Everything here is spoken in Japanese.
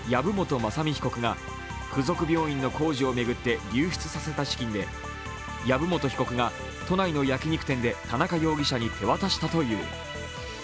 雅巳被告が附属病院の工事を巡って流出させた資金で籔本被告が都内の焼き肉店で田中容疑者に手渡したという。